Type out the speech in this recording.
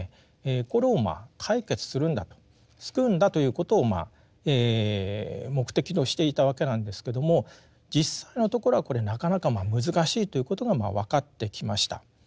これを解決するんだと救うんだということを目的としていたわけなんですけども実際のところはこれなかなか難しいということが分かってきました。